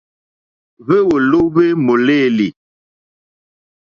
Hwéwòló hwé mòlêlì.